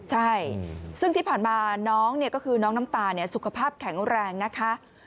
ใช่ซึ่งที่ผ่านมาน้องน้ำตาสุขภาพแข็งแรงนะคะ